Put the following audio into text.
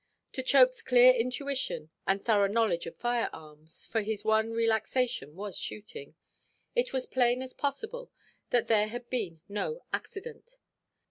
To Chopeʼs clear intuition, and thorough knowledge of fire–arms—for his one relaxation was shooting—it was plain as possible that there had been no accident.